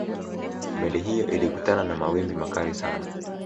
meli hiyo ilikutana na mawimbi makali sana